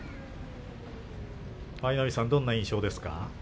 舞の海さんどんな印象ですか。